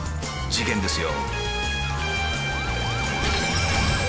事件ですね。